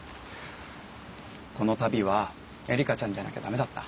この旅はえりかちゃんじゃなきゃダメだった。